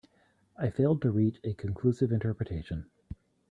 I failed to reach a conclusive interpretation.